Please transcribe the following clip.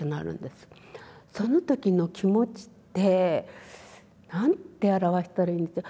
その時の気持ちって何て表したらいいんでしょう。